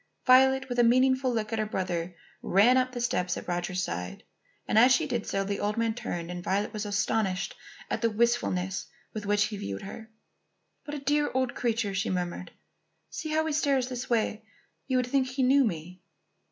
Violet, with a meaning look at her brother, ran up the steps at Roger's side. As she did so, the old man turned and Violet was astonished at the wistfulness with which he viewed her. "What a dear old creature!" she murmured. "See how he stares this way. You would think he knew me."